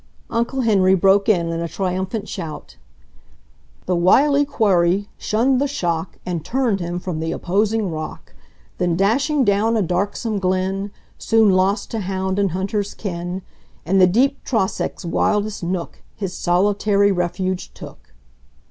Uncle Henry broke in in a triumphant shout: The wily quarry shunned the shock And TURNED him from the opposing rock; Then dashing down a darksome glen, Soon lost to hound and hunter's ken, In the deep Trossach's wildest nook His solitary refuge took.